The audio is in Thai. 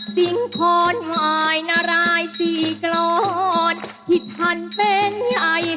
สิงพรวายนารายสี่กรอนที่ท่านเป็นใหญ่